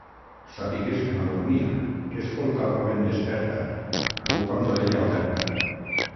Sàpigues que no dormia, que escoltava ben desperta, amb un pam d'orella oberta.